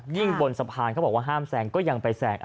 บนสะพานเขาบอกว่าห้ามแซงก็ยังไปแซง